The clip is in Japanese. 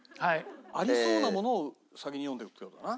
ありそうなものを先に読んでいくっていう事だな。